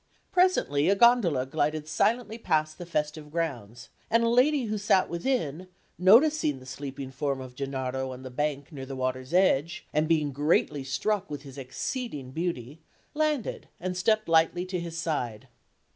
Presently, a gondola glided silently past the festive grounds; and a lady who sat within, noticing the sleeping form of Gennaro on the bank near the water's edge, and being greatly struck with his exceeding beauty, landed and stepped lightly to his side.